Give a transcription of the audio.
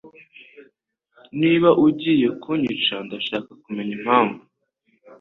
Niba ugiye kunyica, ndashaka kumenya impamvu.